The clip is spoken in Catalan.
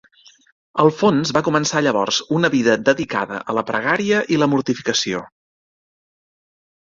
Alfons va començar llavors una vida dedicada a la pregària i la mortificació.